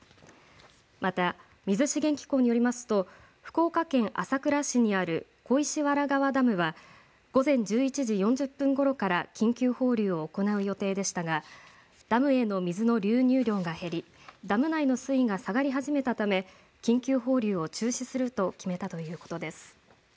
また水資源機構によりますと福岡県朝倉市にある小石原川ダムは午前１１時４０分ごろから緊急放流を行う予定でしたがダムへの水の流入量が減りダム内の水位が下がり始めたため緊急放流を中止すると決めたということです。